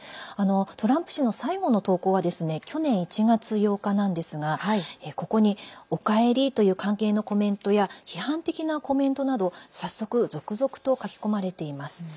トランプ氏の最後の投稿は去年１月８日なんですがここに、おかえりという歓迎のコメントや批判的なコメントなど早速、続々と書き込まれています。